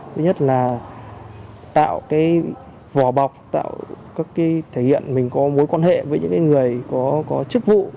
thứ nhất là tạo cái vỏ bọc tạo thể hiện mình có mối quan hệ với những người có chức vụ